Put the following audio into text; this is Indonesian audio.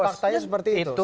faktanya seperti itu